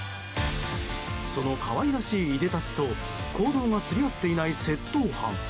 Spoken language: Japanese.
その可愛らしい、いでたちと行動が釣り合っていない窃盗犯。